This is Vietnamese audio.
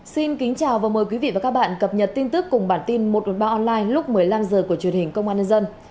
xin kính chào và mời quý vị và các bạn cập nhật tin tức cùng bản tin một trăm một mươi ba online lúc một mươi năm h của truyền hình công an nhân dân